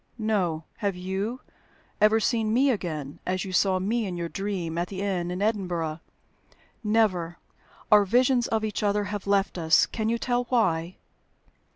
"No. Have you ever seen me again, as you saw me in your dream at the inn in Edinburgh?" "Never. Our visions of each other have left us. Can you tell why?"